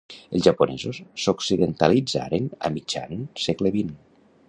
Els japonesos s'occidentalitzaren a mitjan segle vint.